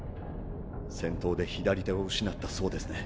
戦闘で左手を失ったそうですね。